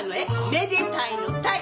めでたいの「タイ」